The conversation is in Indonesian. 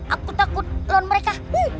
aku takut lawan mereka